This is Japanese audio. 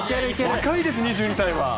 若いです、２２歳は。